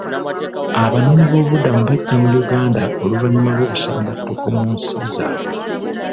Abanoonyiboobubudamu bajja mu Uganda oluvannyuma lw'obusambattuko mu nsi zaabwe.